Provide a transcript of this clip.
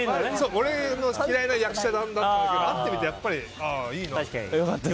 俺の嫌いな役者だと思っていたけど会ってみて、やっぱりいいなと。